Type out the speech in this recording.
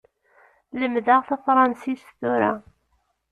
Lemmdeɣ tafransist tura.